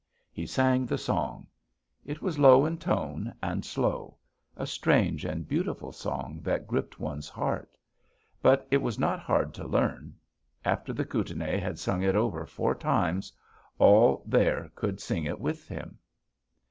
"He sang the song. It was low in tone, and slow; a strange and beautiful song that gripped one's heart. But it was not hard to learn; after the Kootenai had sung it over four times, all there could sing it with him.